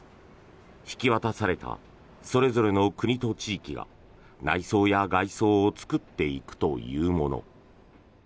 引き渡されたそれぞれの国と地域が内装や外装を作っていくというもの。